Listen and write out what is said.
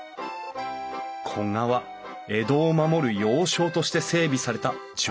古河は江戸を守る要衝として整備された城下町。